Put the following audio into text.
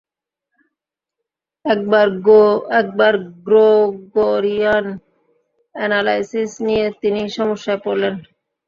একবার Gregorian analysis নিয়ে তিনি সমস্যায় পড়লেন।